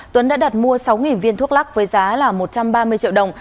tuấn đã đặt mua sáu viên thuốc lắc với giá là một trăm ba mươi triệu đồng